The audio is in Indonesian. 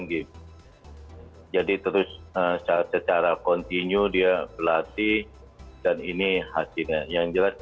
dan jadi terus secara kontinu dia berlatih dan ini hasilnya yang jelas